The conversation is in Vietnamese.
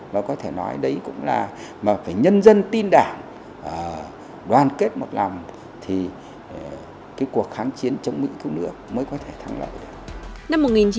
và có thể nói đấy cũng là mà phải nhân dân tin đảng đoàn kết một lòng thì cái cuộc kháng chiến chống mỹ cứu nước mới có thể thắng lợi được